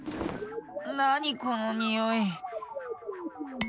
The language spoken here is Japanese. なにこのにおい？